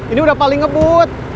ini udah paling ngebut